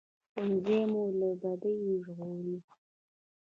ښوونځی مو له بدیو ژغوري